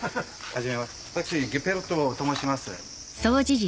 私ゲッペルトと申します。